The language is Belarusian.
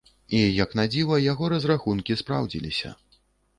І, як надзіва, яго разрахункі спраўдзіліся.